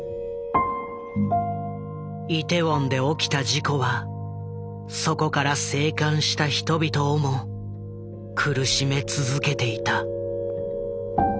イテウォンで起きた事故はそこから生還した人々をも苦しめ続けていた。